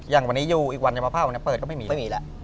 อย่างวันนี้อยู่อีกวันมาเฝ้าเปิดก็ไม่มี